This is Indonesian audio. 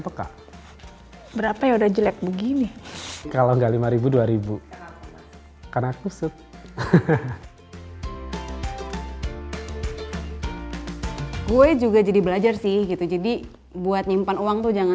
sampai jumpa di video selanjutnya